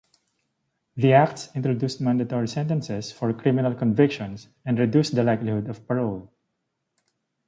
The Acts introduced mandatory sentences for criminal convictions, and reduced the likelihood of parole.